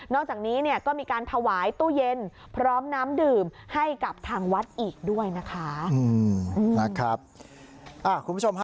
นอกจากนี้เนี้ยก็มีการถวายตู้เย็นพร้อมน้ำดื่มให้กับทางวัดอีกด้วยนะคะอืมนะครับอ่าคุณผู้ชม